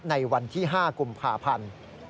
ในวันที่๕กุมภาพันธ์